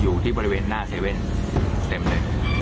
อยู่ที่บริเวณหน้า๗เต็มเลย